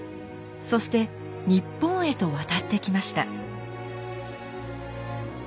そして日本へと渡ってきました。